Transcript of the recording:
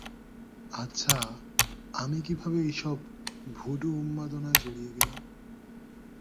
আচ্ছা, আমি কীভাবে এইসব ভুডু উন্মাদনায় জড়িয়ে গেলাম?